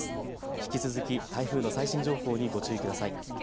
引き続き台風の最新情報にご注意ください。